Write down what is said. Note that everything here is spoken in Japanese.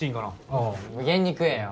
おう無限に食えよ。